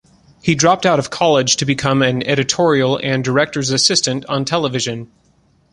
He dropped out of college to become an editorial and director's assistant on television.